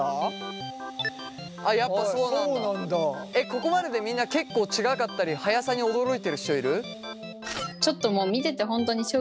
ここまででみんな結構違かったり速さに驚いてる人いる？